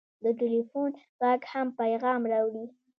د ټېلفون غږ هم پیغام راوړي.